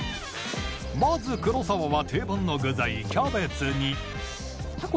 まず黒沢は定番の具材キャベツにタコ